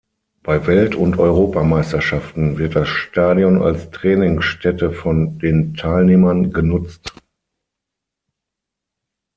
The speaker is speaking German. Bei Welt- und Europameisterschaften wird das Stadion als Trainingsstätte von den Teilnehmern genutzt.